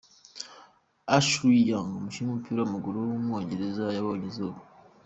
Ashley Young, umukinnyi w’umupira w’amaguru w’umwongereza yabonye izuba.